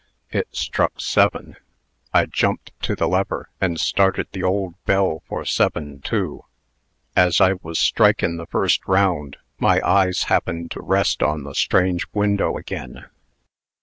It struck seven. I jumped to the lever, and started the old bell for seven, too. As I was strikin' the first round, my eyes happened to rest on the strange window again.